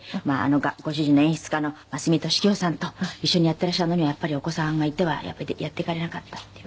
ご主人の演出家の増見利清さんと一緒にやっていらっしゃるのにはやっぱりお子さんがいてはやっぱりやっていかれなかったっていう。